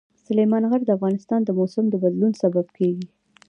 سلیمان غر د افغانستان د موسم د بدلون سبب کېږي.